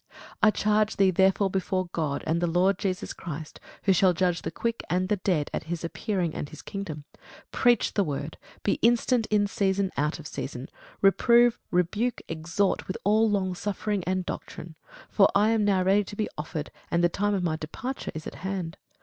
I charge thee therefore before God, and the Lord Jesus Christ, who shall judge the quick and the dead at his appearing and his kingdom; preach the word; be instant in season, out of season; reprove, rebuke, exhort with all longsuffering and doctrine. For I am now ready to be offered, and the time of my departure is at hand.